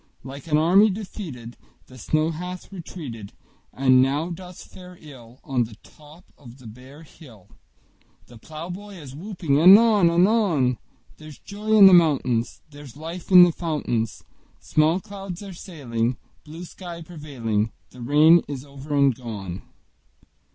Like an army defeated The snow hath retreated, And now doth fare ill On the top of the bare hill; The plowboy is whooping anon anon: There's joy in the mountains; There's life in the fountains; Small clouds are sailing, Blue sky prevailing; The rain is over and gone!